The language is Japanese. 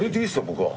僕は。